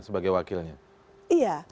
sebagai wakilnya iya